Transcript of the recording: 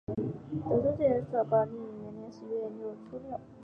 德川治济在宝历元年十一月初六。